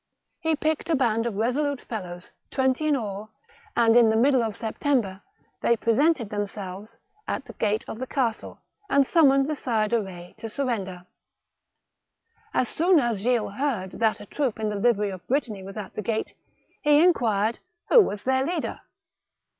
He picked a band of resolute fellows, twenty in all, and in the middle of September they presented themselves at the gate of the castle, an'd summoned the Sire de Retz to surrender. As soon as Gilles heard that a troop in the livery of Brittany was at the gate, he inquired who was their leader?